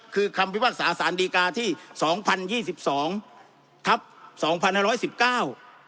คือคำพิพากษาสารดีกาที่สองพันยี่สิบสองทับสองพันห้าร้อยสิบเก้า